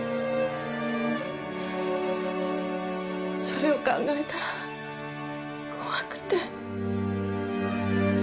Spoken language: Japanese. それを考えたら怖くて。